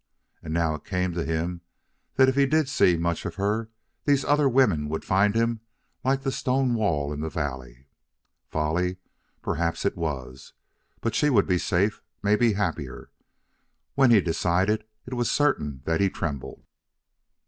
And now it came to him that if he did see much of her these other women would find him like the stone wall in the valley. Folly! Perhaps it was, but she would be safe, maybe happier. When he decided, it was certain that he trembled.